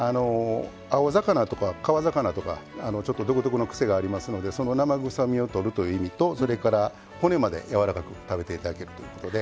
青魚とか川魚とかちょっと独特のクセがありますのでその生臭みを取るという意味とそれから骨まで柔らかく食べて頂けるということで。